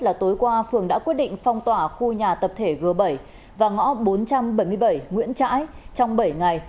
là tối qua phường đã quyết định phong tỏa khu nhà tập thể g bảy và ngõ bốn trăm bảy mươi bảy nguyễn trãi trong bảy ngày